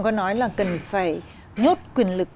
có nói là cần phải nhốt quyền lực